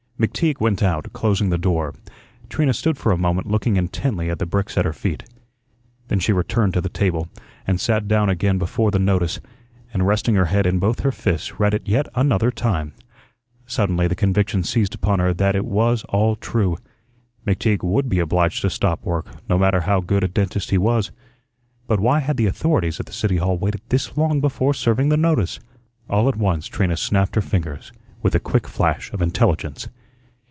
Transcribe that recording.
McTeague went out, closing the door. Trina stood for a moment looking intently at the bricks at her feet. Then she returned to the table, and sat down again before the notice, and, resting her head in both her fists, read it yet another time. Suddenly the conviction seized upon her that it was all true. McTeague would be obliged to stop work, no matter how good a dentist he was. But why had the authorities at the City Hall waited this long before serving the notice? All at once Trina snapped her fingers, with a quick flash of intelligence.